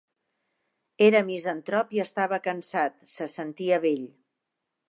Era misantrop i estava cansat, se sentia vell.